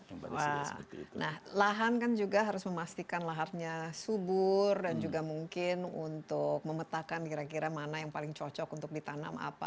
nah lahan kan juga harus memastikan lahannya subur dan juga mungkin untuk memetakan kira kira mana yang paling cocok untuk ditanam apa